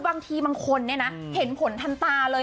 บางทีบางคนเห็นผลทันตาเลย